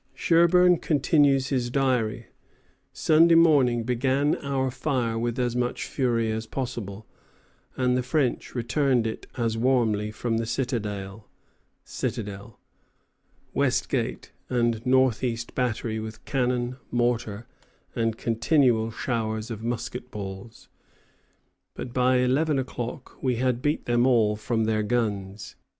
Sherburn continues his diary. "Sunday morning. Began our fire with as much fury as possible, and the French returned it as warmly from the Citidale [citadel], West Gate, and North East Battery with Cannon, Mortars, and continual showers of musket balls; but by 11 o'clock we had beat them all from their guns."